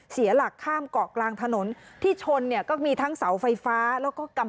เสียหลักข้ามเกาะกลางถนนที่ชนเนี่ยก็มีทั้งเสาไฟฟ้าแล้วก็กำ